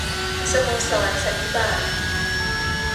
สโมสรสันนิบาต